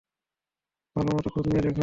ভালোমতো খোঁজ নিয়ে দেখো।